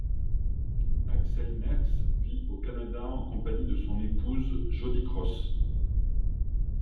Axel Merckx vit au Canada en compagnie de son épouse, Jodi Cross.